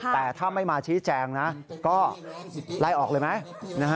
แต่ถ้าไม่มาชี้แจงนะก็ไล่ออกเลยไหม